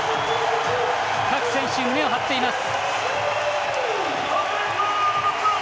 各選手、胸を張っています。